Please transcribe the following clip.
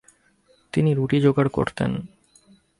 তিনি রুটি যোগাড় করতেন।